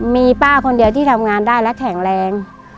มีป้าคนเดียวที่ทำงานได้และแข็งแรง